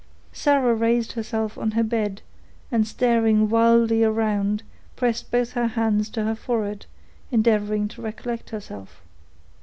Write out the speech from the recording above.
Sarah raised herself on her bed, and staring wildly around, pressed both her hands on her forehead, endeavoring to recollect herself.